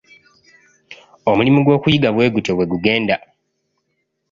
Omulimu gw'okuyiga bwe gutyo bwe gugenda.